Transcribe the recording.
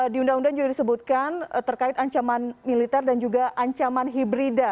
di undang undang juga disebutkan terkait ancaman militer dan juga ancaman hibrida